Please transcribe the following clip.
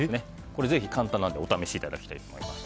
ぜひ簡単なのでお試しいただきたいと思います。